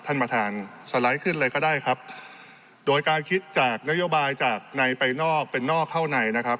ท่านประธานสไลด์ขึ้นเลยก็ได้ครับโดยการคิดจากนโยบายจากในไปนอกเป็นนอกเข้าในนะครับ